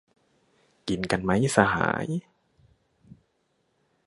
กินกันมั้ยสหาย